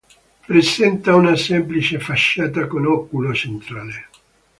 Presenta una semplice facciata con oculo centrale.